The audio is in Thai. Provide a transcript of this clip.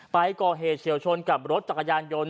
ไปก่อเหตุเฉียวชนกับรถจักรยานยนต์